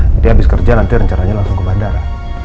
jadi habis kerja nanti rencaranya langsung ke bandara